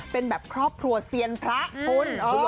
เป็นแบบครอบครัวเซียนพระคุณ